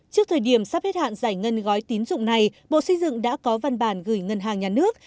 trước thời điểm sắp hết hạn giải ngân gói tín dụng này bộ xây dựng đã có văn bản gửi ngân hàng nhà nước